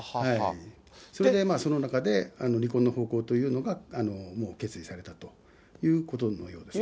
それでその中で、離婚の方向というのが、もう決意されたということのようですね。